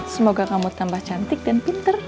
semoga kamu tambah cantik dan pinter